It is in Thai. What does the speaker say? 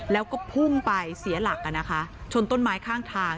แล้วก็พุ่งไปเสียหลักชนต้นไม้ข้างทาง